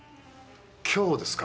今日ですか？